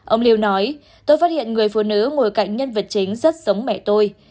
ông liu nói tôi phát hiện người phụ nữ ngồi cạnh nhân vật chính rất giống mẹ tôi